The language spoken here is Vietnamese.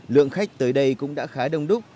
lượng khách tới đây cũng đã khá đông đúc